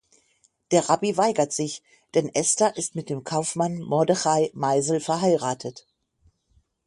Der Rabbi weigert sich, denn Esther ist mit dem Kaufmann Mordechai Meisl verheiratet.